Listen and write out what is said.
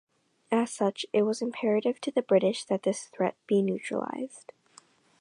As such, it was imperative to the British that this threat be neutralised.